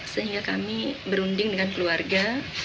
sehingga kami berunding dengan keluarga